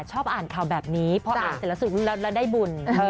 ชอบอ่านข่าวแบบนี้เพราะอ่านเสร็จแล้วสรุปแล้วได้บุญ